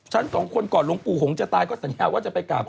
ฉันสองคนก่อนหลวงปู่หงษ์จะตายก็สัญญาว่าจะไปกราบ